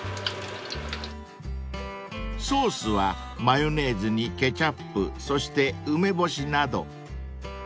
［ソースはマヨネーズにケチャップそして梅干しなど］